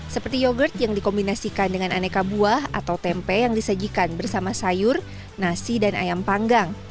seperti yogurt yang dikombinasikan dengan aneka buah atau tempe yang disajikan bersama sayur nasi dan ayam panggang